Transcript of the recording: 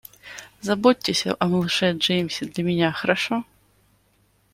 Заботьтесь о малыше Джеймсе для меня, хорошо?